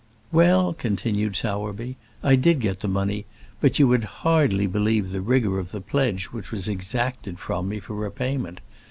"Well," continued Sowerby, "I did get the money, but you would hardly believe the rigour of the pledge which was exacted from me for repayment.